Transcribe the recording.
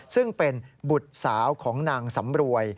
ซึ่งเป็นบุตรสาวของนางสำรวย